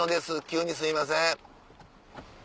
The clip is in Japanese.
急にすいません。